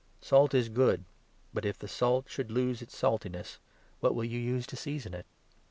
Salt is good, but, if the salt should 50 lose its saltness, what will you use to season it